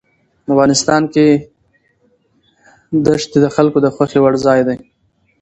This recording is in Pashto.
افغانستان کې ښتې د خلکو د خوښې وړ ځای دی.